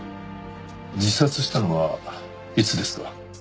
自殺したのはいつですか？